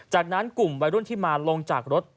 จากนั้นกลุ่มวัยรุ่นที่มาลงจากรถ